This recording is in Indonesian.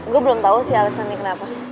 gue belum tahu sih alasannya kenapa